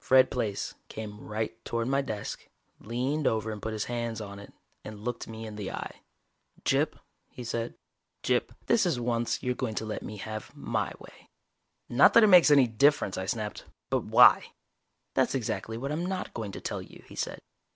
Fred Plaice came right toward my desk, leaned over and put his hands on it, and looked me in the eye. "Gyp," he said. "Gyp, this is once you're going to let me have my way." "Not that it makes any difference," I snapped. "But why?" "That's exactly what I'm not going to tell you," he said.